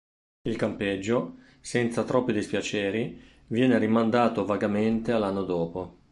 Il campeggio, senza troppi dispiaceri, viene rimandato vagamente all'anno dopo.